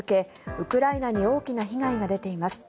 ウクライナに大きな被害が出ています。